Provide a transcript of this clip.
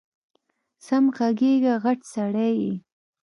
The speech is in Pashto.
سم غږېږه غټ سړی یې